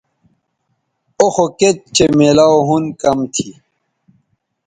او خو کِت چہء میلاو ھُن کم تھی